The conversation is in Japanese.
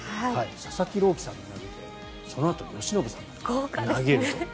佐々木朗希さんが投げてそのあと由伸さんが投げるという。